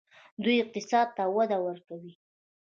دوی اقتصاد ته وده ورکوي.